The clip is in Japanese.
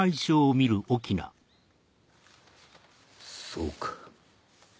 そうか。